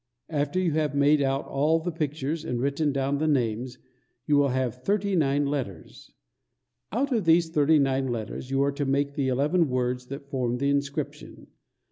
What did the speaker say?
After you have made out all the pictures and written down the names, you will have thirty nine letters. Out of these thirty nine letters you are to make the eleven words that form the inscription.